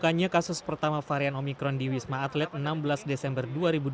bukannya kasus pertama varian omikron di wisma atlet enam belas desember dua ribu dua puluh